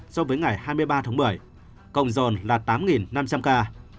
so với ngày hai mươi ba tháng một mươi cộng dồn là tám năm trăm linh ca